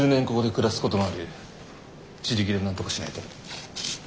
自力でなんとかしないと。